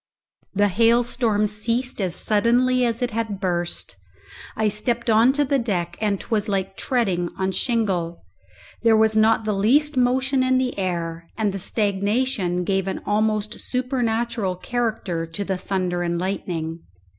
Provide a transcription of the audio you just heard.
The hailstorm ceased as suddenly as it had burst. I stepped on to the deck, and 'twas like treading on shingle. There was not the least motion in the air, and the stagnation gave an almost supernatural character to the thunder and lightning.